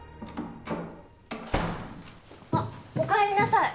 ・あっおかえりなさい。